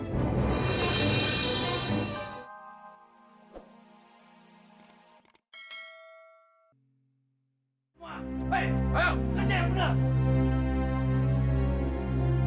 hei kerja yang benar